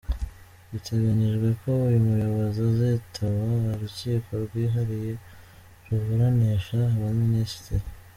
Biteganyijwe ko uyu muyobozi azitaba urukiko rwihariye ruburanisha abaminisitiri.